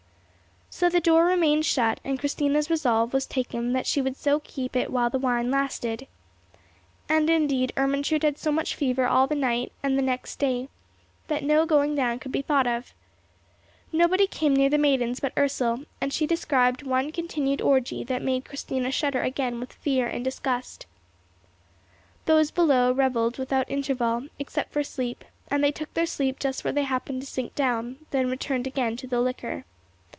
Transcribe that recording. So the door remained shut, and Christina's resolve was taken that she would so keep it while the wine lasted. And, indeed, Ermentrude had so much fever all that night and the next day that no going down could be thought of. Nobody came near the maidens but Ursel, and she described one continued orgie that made Christina shudder again with fear and disgust. Those below revelled without interval, except for sleep; and they took their sleep just where they happened to sink down, then returned again to the liquor.